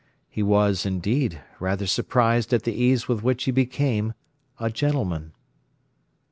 He was, indeed, rather surprised at the ease with which he became a gentleman.